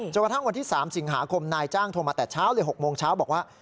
กระทั่งวันที่๓สิงหาคมนายจ้างโทรมาแต่เช้าเลย๖โมงเช้าบอกว่า